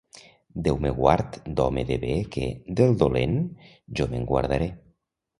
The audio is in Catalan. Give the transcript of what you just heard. Déu me guard d'home de bé que, del dolent, jo me'n guardaré.